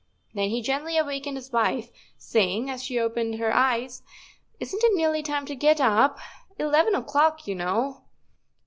Then he gently awakened his wife, saying, as she opened her eyes, " Isn't it nearly time to get up— eleven o'clock, you know?